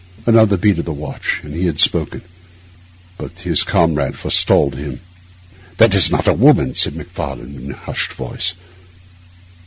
Another beat of the watch, and he had spoken. But his comrade forestalled him. 'That is not a woman,' said Macfarlane, in a hushed voice.